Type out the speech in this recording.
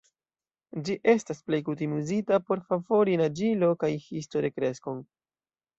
Ĝi estas plej kutime uzita por favori naĝilo- kaj histo-rekreskon.